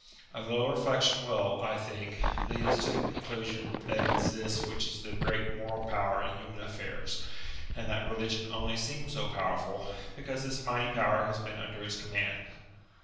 A little reflection will, I think, lead us to the conclusion that it is this which is the great moral power in human affairs, and that religion only seems so powerful because this mighty power has been under its command.